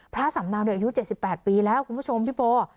พระสำเนาเนี่ยอายุเจ็ดสิบแปดปีแล้วคุณผู้ชมพี่โปร์